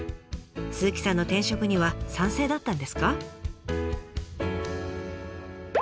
鈴木さんの転職には賛成だったんですか？